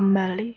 kembali ke rumah